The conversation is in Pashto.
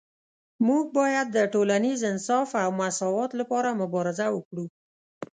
موږ باید د ټولنیز انصاف او مساوات لپاره مبارزه وکړو